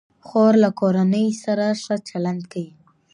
خور له کورنۍ سره ښه چلند کوي.